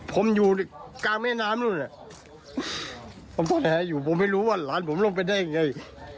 ผมอยู่ในกลางแม่น้ำนู้นผมไม่รู้ว่าหลานผมลงไปได้ยังไง